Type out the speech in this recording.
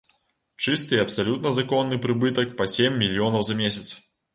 Чысты і абсалютна законны прыбытак па сем мільёнаў за месяц.